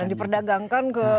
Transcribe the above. yang diperdagangkan ke seluruh